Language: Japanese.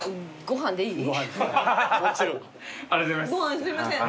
ご飯すいません。